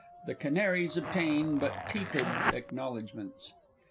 (_The Canaries obtain but tepid acknowledgments.